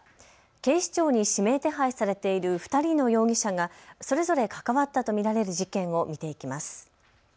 警視庁に指名手配されている２人の容疑者がそれぞれ関わったと見られる事件を見ていきます。